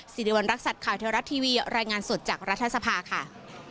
สิริวัณรักษัตริย์ข่าวเทวรัฐทีวีรายงานสดจากรัฐสภาค่ะ